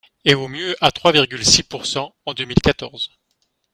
et au mieux à trois virgule six pourcent en deux mille quatorze.